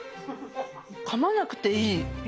かまなくていい？